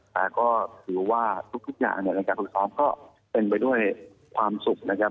แต่ก็ถือว่าทุกอย่างเนี่ยในการฝึกซ้อมก็เป็นไปด้วยความสุขนะครับ